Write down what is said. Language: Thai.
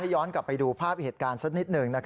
เออย้อนกลับไปดูภาพเหตุการณ์สิ้นนี้หนึ่ง